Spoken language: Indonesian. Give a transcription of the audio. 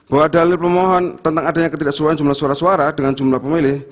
bahwa dalil pemohon tentang adanya ketidaksesuaian jumlah suara suara dengan jumlah pemilih